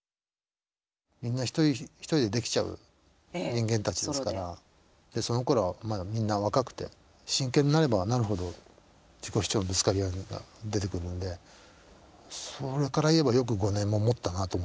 みんな１人でできちゃう人間たちですからそのころはまだみんな若くて真剣になればなるほど自己主張のぶつかり合いが出てくるのでそれから言えばよく５年ももったなと思います。